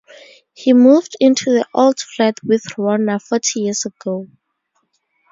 He moved into the old flat with Rhona forty years ago.